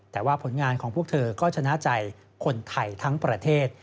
แต่ว่าผลงานของพวกเธอก็ชนะใจคนไทยทั้งประเทศ